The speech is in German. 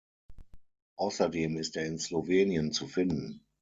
Außerdem ist er in Slowenien zu finden.